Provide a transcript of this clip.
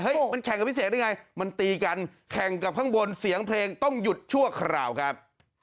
มันแข่งกับพิเศษได้ไงมันตีกันแข่งกับข้างบนเสียงเพลงต้องหยุดชั่วคราวครับ